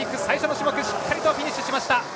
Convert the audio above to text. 最初の種目しっかりとフィニッシュしました。